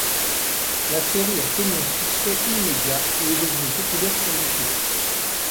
La série a connu un succès immédiat et est devenu populaire sur YouTube.